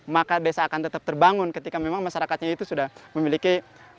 maka desa akan tetap terbangun ketika memang masyarakatnya itu sudah memiliki